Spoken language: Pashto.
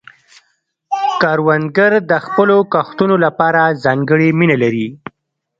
کروندګر د خپلو کښتونو لپاره ځانګړې مینه لري